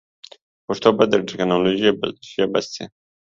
پښتو باید د ټیکنالوژي ژبه سی.